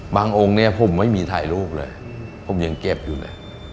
องค์เนี่ยผมไม่มีถ่ายรูปเลยผมยังเก็บอยู่เลย